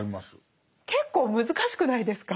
結構難しくないですか？